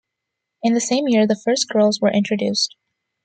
In the same year, the first girls were introduced.